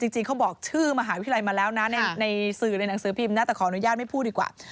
จริงเขาบอกชื่อมหาวิทยาลัยมาแล้วนะในสื่อในหนังสือพิมพ์นะแต่ขออนุญาตไม่พูดดีกว่า